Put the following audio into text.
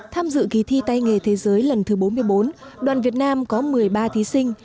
tham dự kỳ thi tay nghề thế giới lần thứ bốn mươi bốn đoàn việt nam có một mươi ba thí sinh